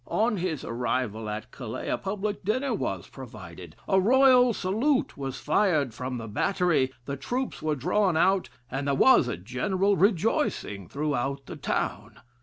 "On his arrival at Calais a public dinner was provided, a royal salute was fired from the battery, the troops were drawn out, and there was a general rejoicing throughout the town....